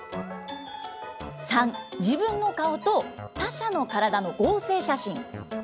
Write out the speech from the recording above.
３、自分の顔と他者の体の合成写真。